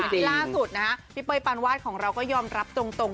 ที่ล่าสุดนะฮะพี่เป้ยปานวาดของเราก็ยอมรับตรง